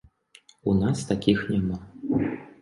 У нас такіх няма.